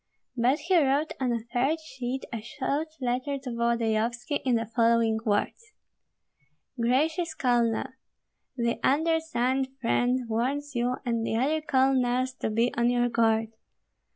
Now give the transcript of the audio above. But he wrote on a third sheet a short letter to Volodyovski in the following words, Gracious Colonel, The undersigned friend warns you and the other colonels to be on your guard.